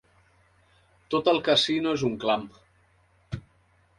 Tot el casino és un clam.